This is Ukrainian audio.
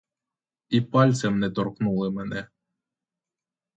І пальцем не торкнули мене.